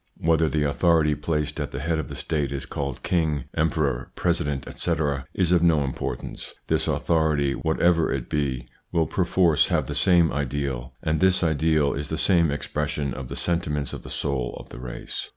Whether the authority placed at the head of the State is called king, emperor, president, etc., is of no importance ; this authority, whatever it be, will perforce have the same ideal, and this ideal is the same expression of the sentiments of the soul of the race.